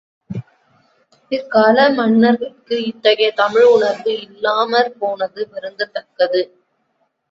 பிற்கால மன்னர்கட்கு இத்தகைய தமிழ் உணர்வு இல்லாமற் போனது வருந்தத்தக்கது.